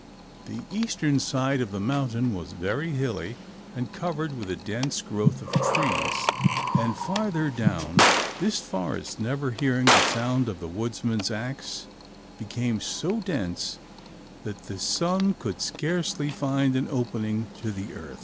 The eastern side of the mountain was very hilly, and covered with a dense growth of trees, and farther down, this forest never hearing the sound of the woodman's ax, became so dense that the sun could scarcely find an opening to the earth.